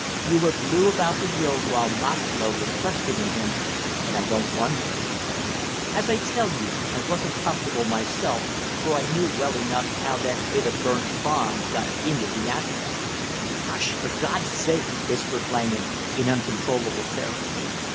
You were blue about the gills while Moxlow was questioning him, and I don't wonder; as I tell you, I wasn't comfortable myself, for I knew well enough how that bit of burnt bond got into the ash barrel " "Hush! For God's sake " whispered Langham in uncontrollable terror.